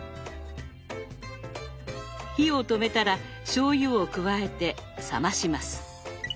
火を止めたらしょうゆを加えて冷まします。